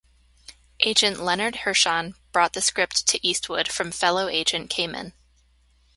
Agent Leonard Hirshan brought the script to Eastwood from fellow agent Kamen.